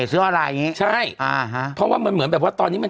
ซื้อออนไลน์อย่างงี้ใช่อ่าฮะเพราะว่ามันเหมือนแบบว่าตอนนี้มัน